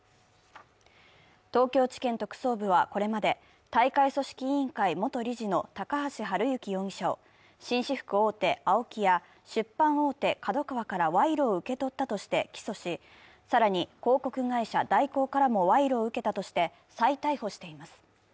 東京地検特捜部はこれまで、大会組織委員会元理事の高橋治之容疑者を紳士服大手、ＡＯＫＩや出版大手、ＫＡＤＯＫＡＷＡから賄賂を受け取ったとして起訴し、更に広告会社、大広からも賄賂を受けたとして再逮捕しています。